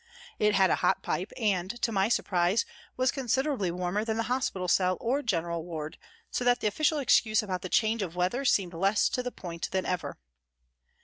It had a hot pipe and, to my surprise, was considerably warmer than the hospital cell or general ward, so that the official excuse about the change of weather seemed less to the point than ever.